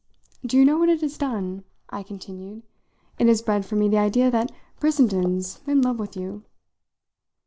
Do you know what it has done?" I continued. "It has bred for me the idea that Brissenden's in love with you."